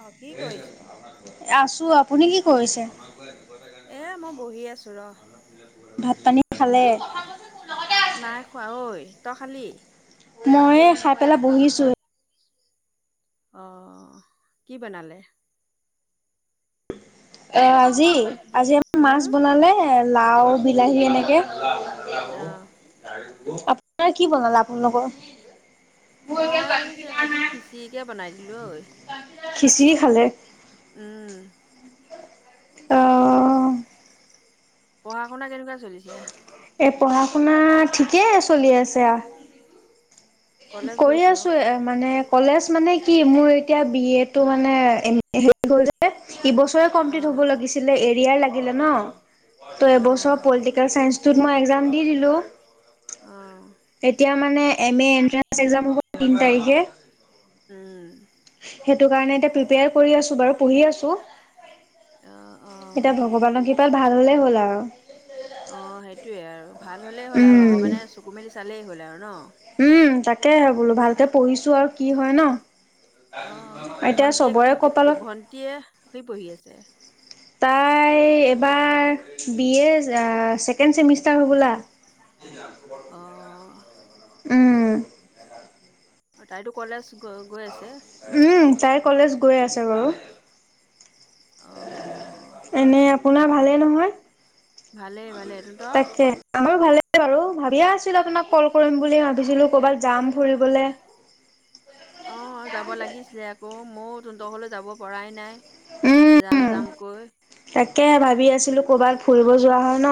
অ', কি কৰিছ'? এ আছোঁ আপুনি কি কৰিছে? এ মই বহি আছোঁ ৰ'। ভাত পানী খালে? নাই খোৱা ঐ, তই খালি? ময়ে খাই পেলাই বহিছোঁ অ', কি বনালে? এ আজি, আজি আমাৰ মাছ উম বনালে, লাও বিলাহী এনেকে। অ আপোনাৰ কি বনালে, আপোনালোকৰ? মই আজি খিচিৰিকে বনাই দিলোঁ ঐ। খিচিৰি খালে? উম। অ'। পঢ়া শুনা কেনেকুৱা চলিছে? এ পঢ়া শুনা, ঠিকেই চলি আছে আও। কলেজ কৰি গৈছ? আছোঁ এ মানে কলেজ মানে কি মোৰ এতিয়া বি এটো মানে শেষ হ'ল যে, সিবছৰ তইও অ কমপ্লিট হ'ব লাগিছিলে, এ ৰি আৰ লাগিলে ন'। ত' অ এবছৰ পলিতেক ত', চাইঞ্চটোত মই একজাম দি দিলোঁ, অ এতিয়া মানে এম এ এন্ত্ৰে এক্সাম হ'ব, তিন তাৰিখে। উম। সেইটো কাৰণে এতিয়া প্ৰিপেৰ কৰি আছোঁ বাৰু পঢ়ি আছোঁ। অ', অ', এতিয়া ভগৱানৰ কিপাত ভাল হলে হ'ল আৰু। অঁ সেইটোৱেই আৰু ভাল হ'লেই হ'ল আৰু উম। ভগৱানে চকু মেলি চালেই হ'ল আৰু ন। উম তাকেহে বোলো ভালকে পঢ়িছো আৰু কি হয় ন। এতিয়া চবৰে কপালত এতিয়া কি পঢ়ি আছে? তাই এবাৰ বিএ ছেকেণ্ড চেমিষ্টাৰ হ'বলা। [unintelligible] অঁ উম অঁ তাইতো কলেজ গ গৈ আছে। উম তাই কলেজ গৈ আছে বাৰু। অ অ। এনে আপোনাৰ ভালে নহয়, ভালেই ভালেই তহঁতৰ তাকে আমাৰ ভালে ই বাৰু ভাবিয়ে আছিলো আপোনাক ক'ল কৰিম বুলি ভাবিছিলোঁ কৰ'বাত যাম ফুৰিবলে। অঁ যাব লাগিছিলে আকৌ, মই তহঁত ঘৰলে যাব পৰাই নাই। যাম উম, যাম কৈ তাকে ভাবি আছিলো, কৰ'বাত ফুৰিব যোৱা হয় ন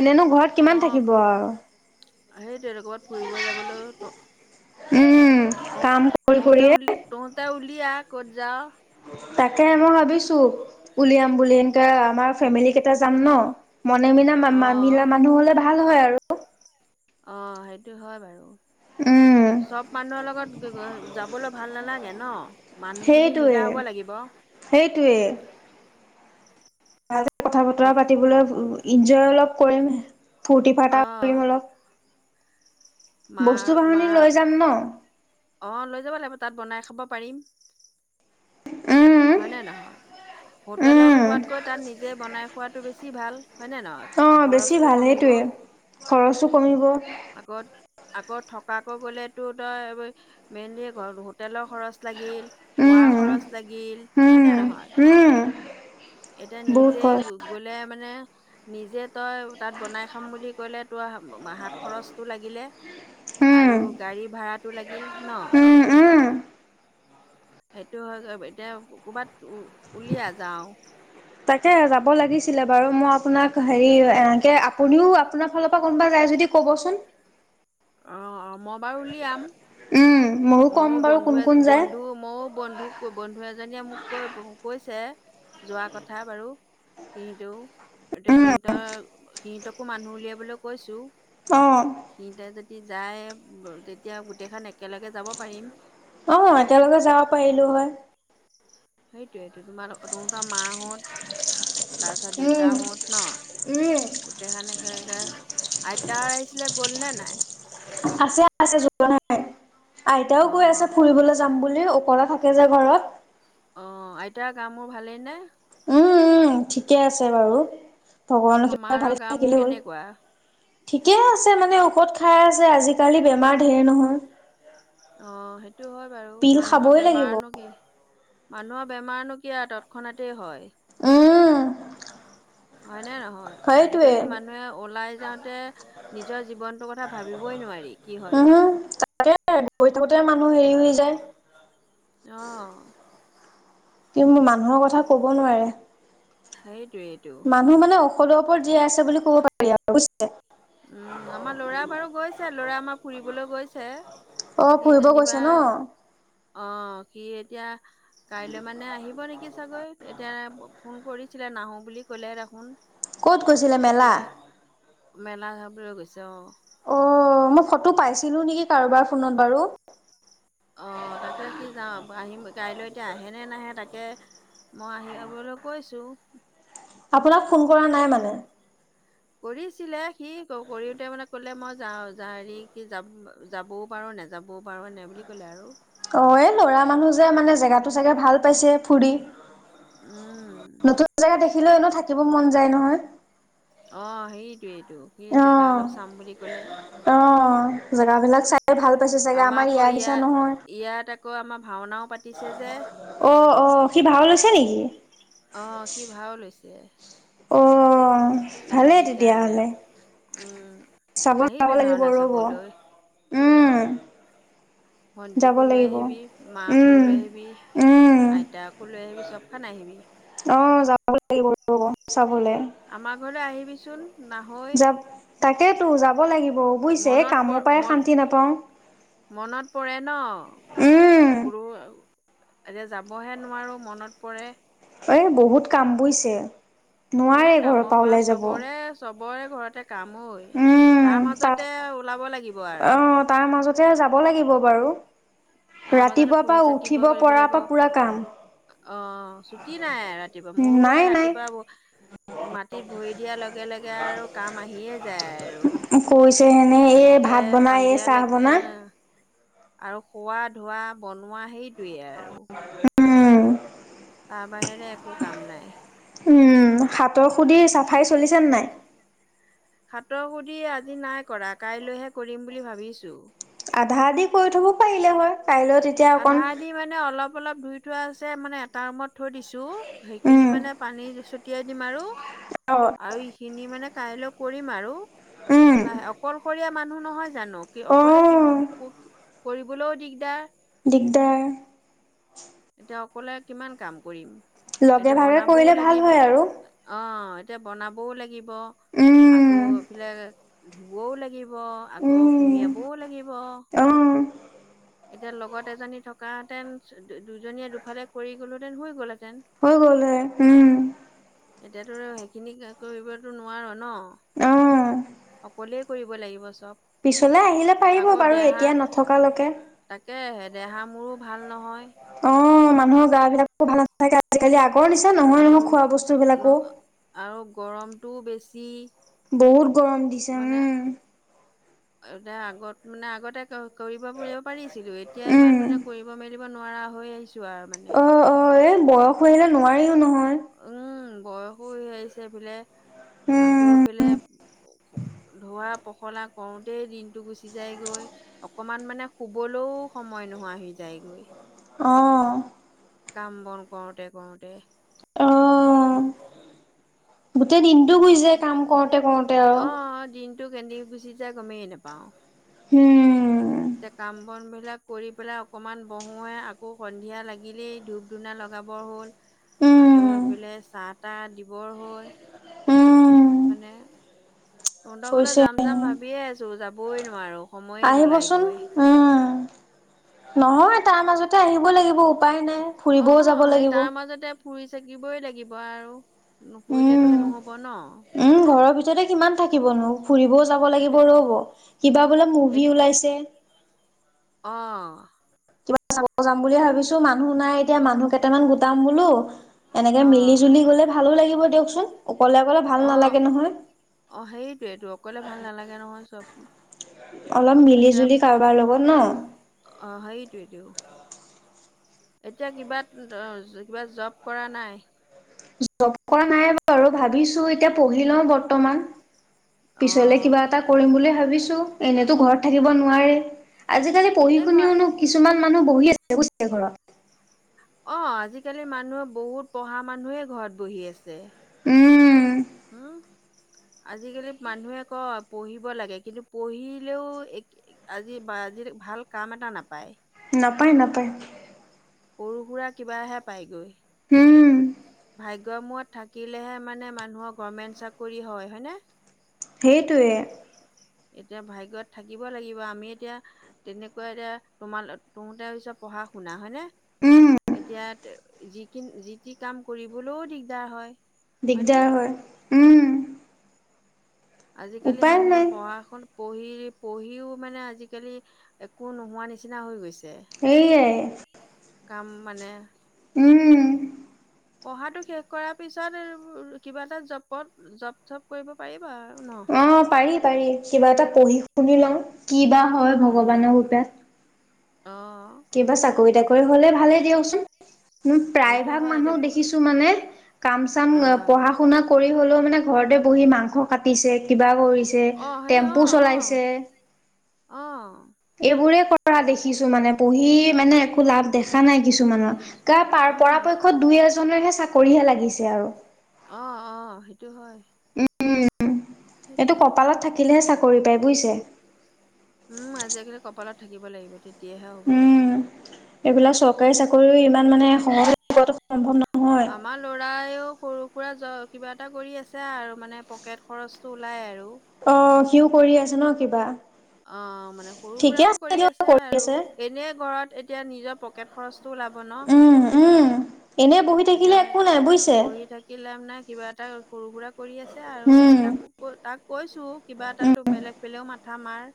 এনেনো ঘৰত কিমান অঁ, থাকিব আৰু। সেইটোৱেতো ক'ৰবাত ফুৰিব যাবলৈও উম অ কাম কৰি তহঁতে কৰিয়ে উল তহঁতে উওলিয়া ক'ত যাওঁ। তাকে মই ভাবিছোঁ উলিয়াম বুলি এনকা আমাৰ ফেমিলি কেইটা যাম ন। মনে মিলাা অ মা মিলা মানুহ হ'লে ভাল হয় আৰু। অঁ সেইটো হয় বাৰু, উম, চ ব মানুহৰ লগত যাবলৈ ভাল নালাগে ন। মানুহখিনি সেইটোৱে মিলা হ'ব লাগিব সেইটোৱে। ভালহে কথা অ বতৰা পাতিবলৈ এনজয় অলপ কৰিম। ফূৰ্তি ফাটা কৰিম অলপ মা বস্তু বাহনি লৈ যাম ন। অঁ লৈ যাব লাগিব তাত বনাই খাব পাৰিম। উম, হয়নে নহয়, হোটেলত উম। খোৱাতকৈ তাত নিজে বনাই খোৱাটো বেছি ভাল হয়নে নহয়, অ', বেছি খৰচটো ভাল কমিব। সেইটোৱে। খৰচো কমিব। আগত আকৌ থকাকৈ গ'লেতো তই মেইনলি হোটেলৰ খৰচ লাগিল। খোৱা উম, খৰচ লাগিল উম, হয়নে নহয়, উম। এতিয়া বহুত নিজে খৰচ, গ'লে মানে নিজে তই তাত বনাই খাম বুলি ক'লে তোৰ হাত খৰচটো লাগিলে। উম, আৰু গাড়ী ভাড়াটো লাগিল ন। উম, উম। সেইটো হয় গৈ এতিয়া কৰ'বাত উ উলিয়াই যাওঁ। তাকে যাব লাগিছিলে বাৰু, মই আপোনাক হেৰি এনেকে আপুনিও আপোনাৰ ফালৰ পৰা কোনোবা যায় যদি ক'বচোন। অঁ অঁ মই বাৰু উলিয়াম, উম, ময়ো ক'ম মোৰ বাৰু কোন বন্ধু কোন যায়। বন্ধু মইও বন্ধুক বন্ধু এজনীয়ে মোক কৈ কৈছে, যোৱা কথা বাৰু। সিহঁতেও এতিয়া উম, সিহঁতৰ সিহঁতকো মানুহ উলিয়াবলৈ কৈছোঁ। অ', সিহঁতে যদি যায় তেতিয়া গোটেইখন একেলগে যাব পাৰিম। অ', একেলগে যাব পাৰিলোঁ হয়। সেইটোয়েইটো তোমাৰ তহঁতৰ মাহঁত তাৰপিছত উম, দেউতাহঁত ন উম গোটেইখান একেলগে, আইতা আহিছিলে গ'লনে নাই? আছে-আছে [unintelligible] নাই। আইতাও অ কৈ আছে ফুৰিবলে যাম বুলি অকলে থাকে যে ঘৰত। অ', আইতাৰ গা-মোৰ ভালেই নে?। উম উম, ঠিকে আছে বাৰু। ভগৱানৰ আকৌ কৃপাত মাৰ ভালে গা মোৰ থাকিলে হ'ল। কেনেকুৱা ঠিকে আছে মানে ঔষধ খাই আছে আজিকালি বেমাৰ ধেৰ নহয়। অ', সেইটো হয় বাৰু পিল মানুহৰ খাবই লাগিব বেমাৰনো কি। মানুহৰ বেমাৰনো কি আৰু তৎক্ষণাতেই হয়। উম। হয়নে নহয়, সেইটোৱে। আজিকালি মানুহে ওলাই যাওঁতে নিজৰ জীৱন টো কথা ভাবিবই নোৱাৰি কি হৈ যায়। [unintelligible] কৰি থাকোতে মানুহ হেৰি হৈ যায়। অ কিন্তু মানুহৰ কথা ক'ব নোৱাৰে। সেইটোয়েই মানুহ মানে ঔষধৰ ওপৰত জীয়াই আছে বুলি ক'ব পাৰি আৰু। উম, আমাৰ ল'ৰা বাৰু গৈছে ল'ৰা আমাৰ ফুৰিবলৈ গৈছে। অ কি ফুৰিব গৈছে জনিবা ন অ', সি এতিয়া কাইলৈ মানে আহিব নেকি চাগৈ। এত তে ফ-ফোন কৰিছিলে নাহো বুলি ক'লে দেখোন। ক'ত গৈছিলে মেলা? এতিয়া মেলা চাবলৈ গৈছে অ'। অ', মই ফটো পাইছিলোঁ নেকি কাৰোবাৰ ফোনত বাৰু। অ', তাকে সি যাওঁ-আহিম কাইলৈ এতিয়া আহে নে নাহে তাকে মই আহিবা বুলি কৈছো। আপোনাক ফোন কৰা নাই মানে। কৰিছিলে সি ক-কৰিওতে মানে কলে মই যাওঁ-যা হেৰি কি যাম যাবও পাৰোঁ নেযাবও পাৰোঁ এনেকে বুলি ক'লে আৰু। অ', এই ল'ৰা মানুহ যে মানে জেগাটো চাগে ভাল পাইছে ফুৰি। উম। নতুন জেগা দেখিলেও এনেও থাকিব মন যায় নহয়। অ', সেইটোৱেইটো সি জেগা অলপ চাম অ বুলি ক'লে। অ', জেগাবিলাক চাই ভাল পাইছে চাগে আমাৰ আকৌ ইয়াৰ নিচিনা ইয়াত নহয়। ইয়াত আকৌ আমাৰ ভাওনাও পাতিছে যে অ অ সি ভাও লৈছে নেকি অ', সি ভাও লৈছে। অ ভালেই সেইকাৰণে, তেতিয়াহ'লে উম। চাব যাব আহিবি লাগিব ভাওনা ৰ'ব, চাবলৈ উম। যাব ভণ্টিকো লৈ লাগিব আহিবি মাকো উম লৈ আহিবি। উম আইতাকো লৈ আহিবি চবখন আহিবি। অ', যাব লাগিব ৰ' ব চাবলে। আমাৰ ঘৰলে আহিবিচোন। নাহৈ যাম, তাকেতো যাব লাগিব বুজিচে এই মনত কামৰ প পৰাই মন শান্তি নাপাওঁ। মনত পৰে ন। উম [unintelligible] এতিয়া যাবহে নোৱাৰোঁ মনত পৰে। এই বহুত কাম বুজিছে, এ নোৱাৰে ঘৰৰ কামৰ পৰা ওলাই যাব। চবৰে চবৰে ঘৰতে কাম ঐ উম তাৰ তাত মাজতে ওলাব লাগি অ', তাৰ মাজতে যাব লাগিব বাৰু। তাৰ মাজতে ৰাতিপুৱাৰ ফুৰি পৰা চাকিব উঠিব কৰিব লাগিব পৰাপা পুৰা কাম। অ', ছুটি নাই ৰাতিপুৱা, মোৰো নাই সেই নাই ৰাতিপুৱা ব মাটিত ভৰি দিয়াৰ লগে-লগে আৰু কাম আহিয়ে যায় আৰু। মোক কৈছে এনে একে সন্ধিয়ালেকে আৰু খোৱা, ধোৱা, বনোৱা সেইটোৱে আৰু। উম। তাৰ বাহিৰে একো কাম নাই। উম, হাতৰ সুধি চাফাই চলিছেনে নাই? হাতৰ সুধি আজি নাই কৰা, কাইলৈহে কৰিম বুলি ভাবিছো। আধা আধি কৰি থব পাৰিলে হয়, কাইলৈ তে আধা আধি মানে অলপ অলপ ধুই থোৱা আছে মানে এটা ৰুমত থৈ দিছোঁ সেইখিনি উম মানে পানী ছটিয়াই দিম আৰু অ আৰু ইখিনি মানে কাইলৈ কৰিম আৰু উম লাহে অকলশৰীয়া মানুহ নহয় জানো কি অ অকলে কি ক কৰিবলৈও দিগদাৰ। দিগদাৰ। এতিয়া অকলে কিমান কাম কৰিম? লগে এতিয়া ভাগে বনাবও কৰিলে ভাল লাগিব। হয় আৰু অঁ, এতিয়া বনাবও লাগিব আকৌ উম এইফালে ধুবও লাগিব আকৌ উম, সুমিয়াবও লাগিব। অ', এতিয়া লগত এজনী থকাহেঁতেন চ দ দুজনীয়ে দুফালে কৰি গ'লোহেঁতেন হৈ গলহেতেন। হৈ গ'লে উম। এতিয়াতো সেইখিনি কা কৰিবতো নোৱাৰ ন? অ'। সকলোৱে কৰিব লাগিব চব। পিছলৈ আহিলে পাৰিব আকৌ বাৰু দেহা এতিয়া নথকালৈকে। তাকে হে দেহা মোৰো ভাল নহয়। অ মানুহৰ গাবিলাকো ভাল নাথাকে আজিকালি আগৰ নিচিনা নহয় আৰু নহয় খোৱা ন বস্তুবিলাকো। আৰু গৰমটো বেছি। বহুত গৰম দিছে মানে উম। এতিয়া আগত মানে আগতে ক কৰিব পৰিব পাৰিছিলো এতিয়া উম। ইমান মানে কৰিব মেলিব নোৱাৰা হৈ আহিছোঁ আৰু মানে। অ', অ', [unintelligible] আহিলে নোৱাৰিও নহয়। উম বয়সো সেই আহিছে এইফালে আকৌ উম, এইফালে [unintelligible] ধোৱা পখলা কৰোতেই দিনটো গুচি যায়গৈ। অকমান মানে শুবলৈও সময় নোহোৱা হি যায়গৈ। অ। কাম - বন কৰোতে কৰোতে। অ', গোটেই দিনটো গুচি যায় কাম কৰোতে কৰোতে আৰু। টো কেন্দি গুচি যাই গমেই নাপাও উম, এতিয়া কাম - বনবিলাক কৰি পেলাই অকনমান বহোঁহে আকৌ সন্ধিয়া লাগিলেই ধূপ ধূনা লগাবৰ হ'ল। আকৌ উম, এইফে চাহ তাহ দিবৰ হৈ উম, মানে তহঁতৰ ঘৰলে হৈছে যাম যাম এনে ভাবিয়ে আছোঁ যাবই নোৱাৰো। সময়ে আহিবচোন নোলায়গৈ উম, নহয় তাৰ মাজতে আহিব লাগিব। উপায় নাই অ ফুৰিবও যাব সেই লাগিব। তাৰ মাজতে ফুৰি চাকিবই লাগিব আৰু নুফুৰিলেতো উম একনো হ'ব ন। ঘৰৰ ভিতৰতে সিমান থাকিবনো ফুৰিবও যাব এ লাগিব ৰ'ব। কিবা বোলে এ মুভি ওলাইছে। অ'। কিবা চাব যাম বুলিলিয় ভাবিছোঁ মানুহ নাই এতিয়া মানুহ কেইটামান গোটাম বোলো। এনেকে অ মিলি জুলি গ'লে ভালো লাগিব দিয়কচোন অকলে অকলে ভাল। অ', নালাগে নহয় অ' সেইটোৱেটো অকলে ভাল নালাগে নহয় চব। অলপ মিলি এতিয়া জুলি কাৰোবাৰ লগত ন। উম অ' সেইটোৱেটো। এতিয়া কিবা কিবা জব কৰা নাই? জব কৰা নাই বাৰু ভাবিছো এতিয়া পঢ়ি লওঁ বৰ্তমান। অ পিছলে কিবা এটা কৰিম বুলি ভাবিছোঁ, এনেতো ঘৰত থাকিব নোৱাৰে। আজিকালি পঢ়ি এনে ঘৰ শুনিওনো কিছুমান মানুহ বহি আছে ঘৰত। অ' আজিকালি মানুহে বহুত পঢ়া মানুহে ঘৰত বহি উম। আছে। উ আজিকালি মানুহে কয় পঢ়িব লাগে কিন্তু পঢ়িলেও আজি ভাল কাম এটা নাপায় [unintelligible] নাপায়, নাপায়। সৰু-সুৰা কিবাহে পাইগৈ। উম। ভাগ্যমূৰত থাকিলেহে মানে মানুহৰ গভমেণ্ট চাকৰি হয় হয়নে? সেইটোৱে। এতিয়া ভাগ্যত থাকিব লাগিব আমি এতিয়া। তেনেকুৱা এতিয়া তোমাৰ তমতেছ পঢ়া-শুনা হয়নে উম। [unintelligible] এতিয়া যিখিন যি-টি কাম কৰিবলৈও দিগদাৰ হয় [unintelligible] দিগদাৰ হয় উম। আজিকালি উপায় মানুহে নাই পঢ়া শু পঢ়ি, পঢ়িও মানে আজিকালি একো নোহোৱা নিচিনা হৈ গৈছে। এইয়াই। কাম মানে? উম। পঢ়াটো শেষ কৰাৰ পিছত কিবা এটা জবত জব চপ কৰিব পাৰিবা আৰু ন। অ', পাৰি, পাৰি কিবা এটা পঢ়ি শুনি লওঁ, কি বা হয় ভগৱানৰ উম কৃপাত। অ' কিবা চাকৰি আৰু তাকৰি হ'লে ভালেই দিয়কচোন। হেৰিটো প্ৰায়ভাগ হয় এতিয়া মানুহক দেখিছোঁ মানে কাম-চাম আহ পঢ়া-শুনা। কৰি হ'লেও মানে ঘৰতে বহি মাংস কাটিছে, কিবা কৰিছে, অ সেই অ টেম্পু অ চলাইছে। অ' এইবোৰে কৰা দেখিছো মানে, পঢ়ি মানে একো লাভ দেখা নাই কিছুমানৰ। কাৰ উম পৰাপক্ষত দুই এজনেহে চাকৰিহে লাগিছে আৰু। অ', অ', সেইটো হয়। উম এইটো সেইটোৱে কপালত থাকিলেহে চাকৰি পায় বুজিছে। উম, আজিকালি কপালত থাকিব লাগিব তেতিয়াহে হ'ব। উম এইবিলাক চৰকাৰী চাকৰিও ইমান মানে সহজতে পোৱাটো সম্ভৱ নহয়। আমাৰ ল'ৰাইও সৰু সুৰা জ কিবা এটা কৰি আছে আৰু মানে পকেট খৰচটো ওলাই আৰু। অ' সিও কৰি আছে ন কিবা। অ' মানে সৰু ঠিকে সুৰাকৈ কৰি দিয়ক আছে আৰু আছে এনে ঘৰত এতিয়া নিজৰ পকেট খৰচ টো ওলাব ন। উম, উম, এনে বহি থাকিলে এতিয়া একো নাই বুজিছে বহি থাকি লাভ নাই কিবা এটা সৰু সুৰা কৰি আছে আৰু উম তাকো ক তাক কৈছোঁ কিবা উম এটাতো বেলেগ পেলেও মাথা মাৰ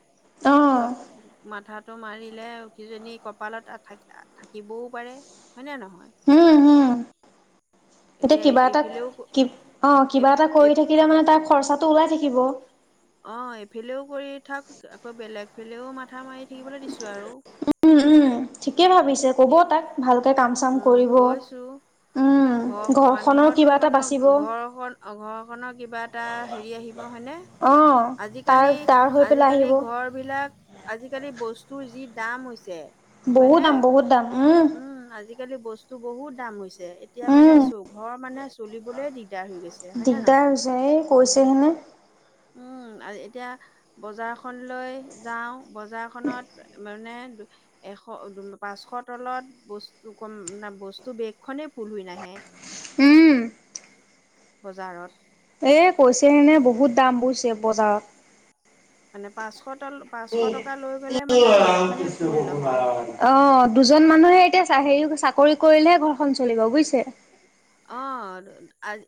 অ চব মাথাত টো মাৰিলে কিজানি কপালত থা থাকিবও পাৰে হয়নে নহয়। উম, হুম, এতিয়া কিবা এটা এইফালেও অঁ কি অঁ কিবা এটা কৰি থাকিলে মানে তাৰ খৰচাটো ওলাই থাকিব। অ' এইফালেও কৰি থাক আকৌ বেলেগ ফালেও মাথা মাৰি থাকিবলৈ দিছো আৰু উম, উম, ঠিকেই ভাবিছে ক'ব তাক ভালকে কাম চাম উম কৰিব। কৈছোঁ উম' ঘৰ ঘৰখনৰ কিবা এটা বাচিব। অ' ঘৰখনৰ কিবা এটা হেৰি আহিব হয়নে। অ তাৰ আজিকালি তাৰ হৈ পেলাই আজিকালি আহিব ঘৰ বিলাক আজিকালি বস্তুৰ যি দাম হৈছে বহুত হয়নে দাম বহুত দাম উম, উম, আজিকালি বস্তু বহুত দাম হৈছে এতিয়া মানে উম চ ঘৰ মানে চলিবলে দিগদাৰ দিগদাৰ হৈ গৈছে হয় নে দিগদাৰ নহয় হৈছে এই কৈছেহেনে উম, আৰু এতিয়া বজাৰখন লৈ যাওঁ বজাৰখনত মানে এশ পাঁচশত তলত বস্তু ক বস্তু বেগ খনে ফুল হৈ নাহে উম বজাৰত। এ কৈছে এনে বহুত দাম বুজিছে বজাৰত। মানে পাঁচশ তল পাঁচশ টকা লৈ গ'লে মানে বেগখনেই ৰামকৃষ্ণ ফুল নহয়। ভগৱান। অ, দুজন মানুহে এতিয়া হেৰি চাকৰি কৰিলেহে ঘৰখন চলিব বুজিছে। অ, আজ